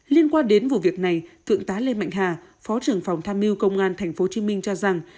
liên quan đến vụ việc này thượng tá lê mạnh hà phó trưởng phòng tham mưu công an tp hcm cho rằng